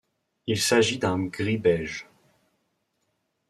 Il s'agit d'un gris-beige.